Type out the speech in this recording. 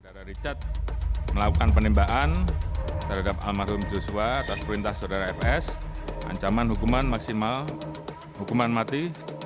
saudara richard melakukan penembakan terhadap almarhum joshua atas perintah saudara fs ancaman hukuman maksimal hukuman mati